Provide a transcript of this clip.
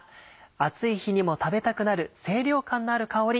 暑い日にも食べたくなる清涼感のある香り